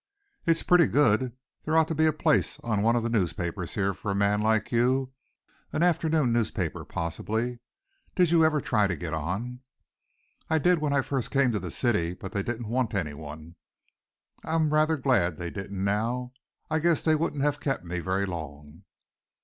"It's pretty good. There ought to be a place on one of the newspapers here for a man like you an afternoon newspaper possibly. Did you ever try to get on?" "I did when I first came to the city, but they didn't want anyone. I'm rather glad they didn't now. I guess they wouldn't have kept me very long."